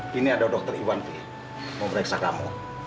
v ini ada dokter iwan v mau mereksa kamu